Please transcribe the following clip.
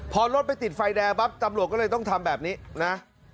พอรถไปติดไฟแดงปั๊บตำรวจก็เลยต้องทำแบบนี้นะ